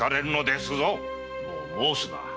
もう申すな。